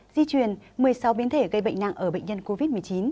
di chuyển một mươi sáu biến thể gây bệnh nặng ở bệnh nhân covid một mươi chín